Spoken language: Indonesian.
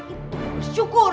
itu harus syukur